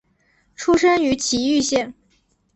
出身于崎玉县。